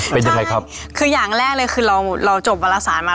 เป็นยังไงครับคืออย่างแรกเลยคือเราเราจบวารสารมา